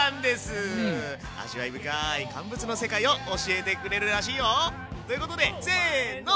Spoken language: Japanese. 味わい深い乾物の世界を教えてくれるらしいよ。ということでせの。